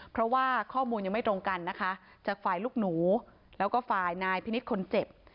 เพราะว่าข้อมูลยังไม่ตรงกันนะคะจากฝ่ายลูกหนูแล้วก็ฝ่ายนายพินิษฐ์คนเจ็บ